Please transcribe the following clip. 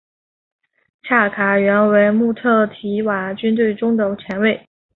恰卡原为穆特提瓦军队中的前卫。